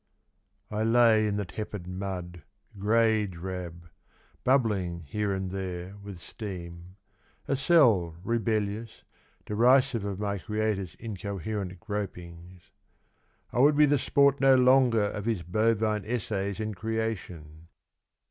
ELAN VITAL. I LAY in the tepid mud Grey drab, bubbling here and there with steam, A cell Rebellious, derisive of my creator's Incoherent gropings. I would be the sport no longer Of his bovine essays in creation